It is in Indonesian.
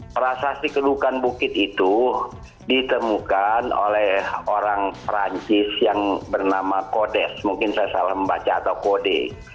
prasasti kedukan bukit itu ditemukan oleh orang perancis yang bernama kodes mungkin saya salah membaca atau kode